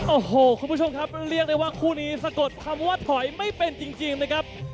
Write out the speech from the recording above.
โอ้โหคุณผู้ชมครับเรียกได้ว่าคู่นี้สะกดคำว่าถอยไม่เป็นจริงนะครับ